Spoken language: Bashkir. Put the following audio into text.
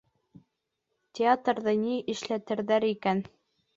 Театрҙы ни эшләтерҙәр икән?